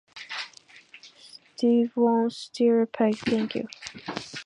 Steve won't stir a peg, thank you.